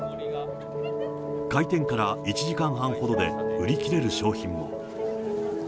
開店から１時間半ほどで売り切れる商品も。